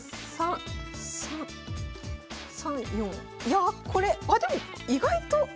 いやこれあでも意外と。